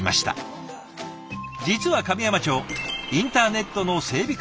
実は神山町インターネットの整備